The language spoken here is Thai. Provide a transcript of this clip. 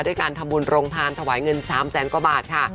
การทำบุญโรงทานถวายเงิน๓แสนกว่าบาทค่ะ